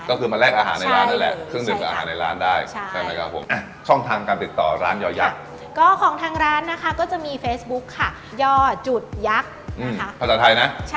ก็คือมาแรกอาหารในร้านได้แหละ